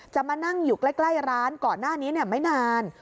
มานั่งอยู่ใกล้ร้านก่อนหน้านี้ไม่นาน